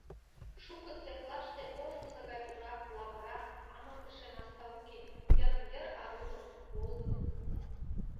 Шуко цехлаште ожнысо гай пурак, лавыра, амыртыше наста уке: йырым-йыр арулык, волгыдо.